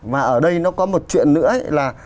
và ở đây nó có một chuyện nữa là